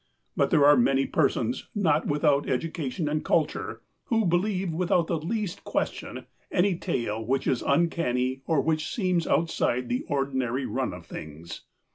But there are many persons, not without education and culture, who believe without the least question any tale which is uncanny or which seems outside the ordinary run of things.